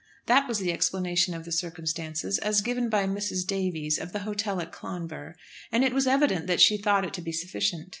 That was the explanation of the circumstances, as given by Mrs. Davies, of the hotel at Clonbur. And it was evident that she thought it to be sufficient.